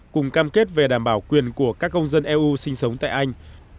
cùng cam kết về đảm bảo quyền của các công dân eu sinh sống tại anh